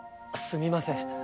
すみません。